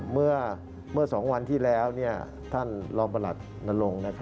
เมื่อ๒วันที่แล้วท่านรองประหลัดนรงค์